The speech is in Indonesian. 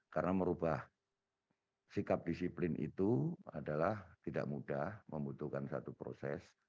karena merubah sikap disiplin itu adalah tidak mudah membutuhkan satu proses